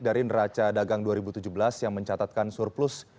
dari neraca dagang dua ribu tujuh belas yang mencatatkan surplus